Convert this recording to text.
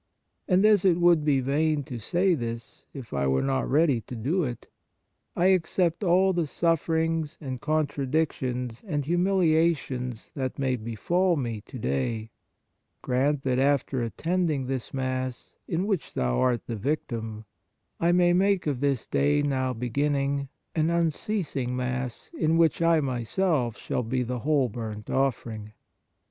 And as it would be vain to say this, if I were not ready to do it, I accept all the sufferings, and contradictions, and humiliations that may befall me to day ; grant that after attending this Mass, in which Thou art the Victim, I may make of this day now beginning an unceasing Mass in which I myself shall be the whole burnt offering."